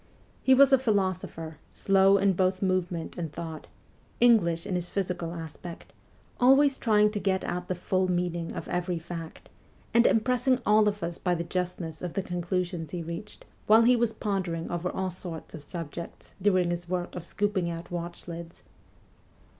He was a philosopher, slow in both movement and thought, English in his physical aspect ; always trying to get at the full meaning of every fact, and impressing all of us by the justness of the con clusions he reached while he was pondering over all sorts of subjects during his work of scooping out watch lids.